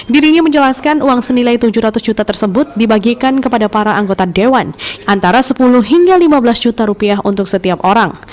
dirinya menjelaskan uang senilai tujuh ratus juta tersebut dibagikan kepada para anggota dewan antara sepuluh hingga lima belas juta rupiah untuk setiap orang